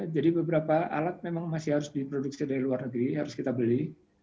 jadi beberapa alat memang masih harus diproduksi dari luar negeri harus kita beli